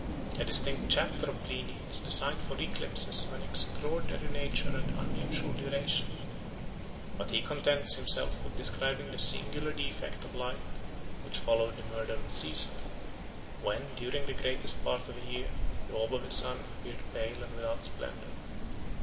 A distinct chapter of Pliny 198 is designed for eclipses of an extraordinary nature and unusual duration; but he contents himself with describing the singular defect of light which followed the murder of Cæsar, when, during the greatest part of a year, the orb of the sun appeared pale and without splendor.